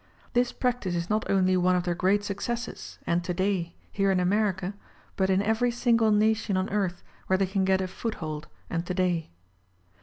This practice is not only one of their great successes, and today, here In America, but in every single nation on earth where they can get o foot hold, and today.